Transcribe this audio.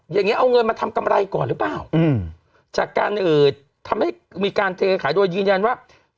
อย่างนี้เอาเงินมาทำกำไรก่อนหรือเปล่าอืมจากการเอ่อทำให้มีการเทขายโดยยืนยันว่า